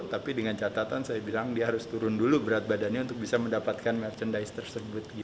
tapi dengan catatan saya bilang dia harus turun dulu berat badannya untuk bisa mendapatkan merchandise tersebut